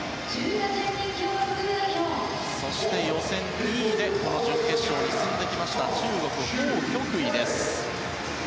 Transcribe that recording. そして予選２位でこの準決勝に進んできた中国、ホウ・キョクイです。